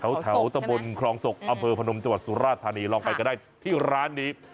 แถวตะบนคลองศกอำเภอพนมจังหวัดสุราธานีลองไปก็ได้ที่ร้านนี้